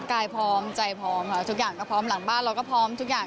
กายพร้อมใจพร้อมค่ะทุกอย่างก็พร้อมหลังบ้านเราก็พร้อมทุกอย่าง